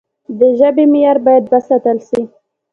د ژبي معیار باید وساتل سي.